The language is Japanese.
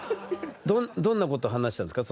どんなこと話したんですか？